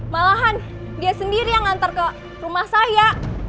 malahan dia sendiri yang ngantar ke rumah saya